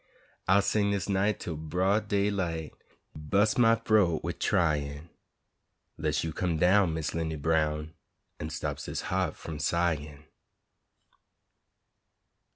I'll sing dis night twel broad day light, Ur bu's' my froat wid tryin', 'Less you come down, Miss 'Lindy Brown, An' stops dis ha't f'um sighin'!